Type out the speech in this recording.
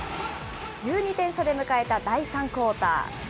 １２点差で迎えた第３クオーター。